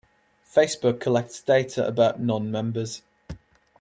Facebook collects data about non-members.